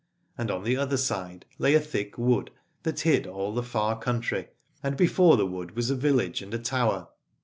And on the other side lay a thick wood that hid all the far country, and before the wood was a village and a tower.